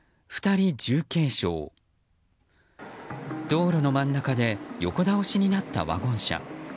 道路の真ん中で横倒しになったワゴン車。